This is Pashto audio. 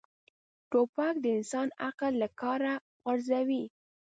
توپک د انسان عقل له کاره غورځوي.